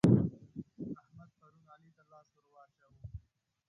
احمد پرون علي ته لاس ور واچاوو.